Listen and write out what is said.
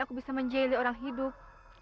aku bisa menjali orang hidup